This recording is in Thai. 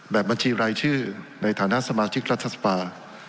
บัญชีรายชื่อในฐานะสมาชิกรัฐสภา